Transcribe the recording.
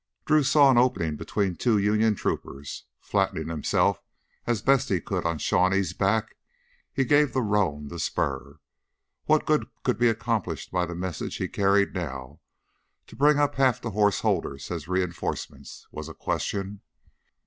Drew saw an opening between two Union troopers. Flattening himself as best he could on Shawnee's back, he gave the roan the spur. What good could be accomplished by the message he carried now to bring up half the horse holders as reinforcements was a question.